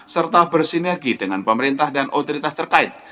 serta bersinergi dengan pemerintah dan otoritas terkait